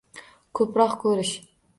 Ko‘proq ko‘rish